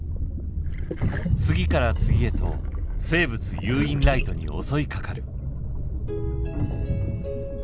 次から次へと生物誘引ライトに襲いかかる。